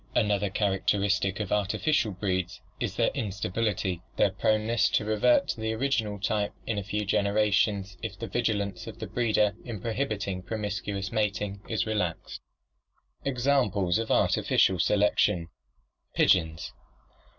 Another characteristic of artificial breeds is their instability, their proneness to revert to the original type in a few generations if the vigilance of the breeder in prohibiting promiscuous mating is re laxed. Examples of Artificial Selection Pigeons.